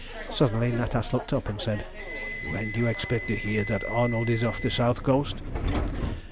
Suddenly Natas looked up, and said "When do you expect to hear that Arnold is off the south coast?"